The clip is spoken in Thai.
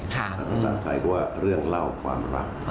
ภาษาไทยก็ว่าเรื่องเล่าความรัก